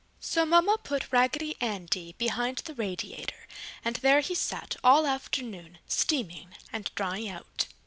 So Mama put Raggedy Andy behind the radiator and there he sat all afternoon, steaming and drying out.